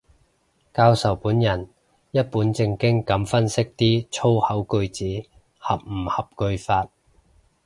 教授本人一本正經噉分析啲粗口句子合唔合句法